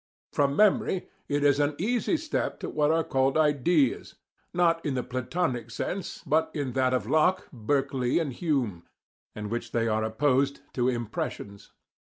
From memory it is an easy step to what are called "ideas" not in the Platonic sense, but in that of Locke, Berkeley and Hume, in which they are opposed to "impressions."